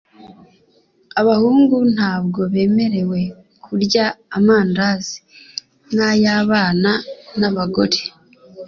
abahungu ntabwo bemerewe kurya amandazi nayabana na bagore